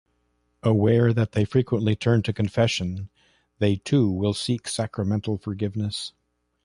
Aware that they frequently turn to Confession, they too will seek sacramental forgiveness.